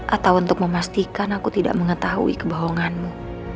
atau untuk memastikan aku tidak mengetahui kebohonganmu